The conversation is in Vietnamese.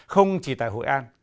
không chỉ tại hội an